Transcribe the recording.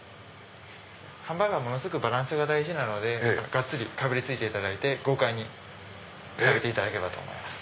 ハンバーガーものすごくバランスが大事なのでがっつりかぶりついていただいて豪快に食べていただければと。